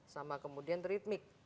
sama kemudian ritmik